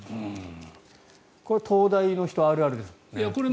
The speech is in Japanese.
これは東大の人あるあるですもんね。